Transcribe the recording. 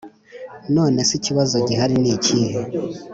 nonese ikibazo gihari nikihe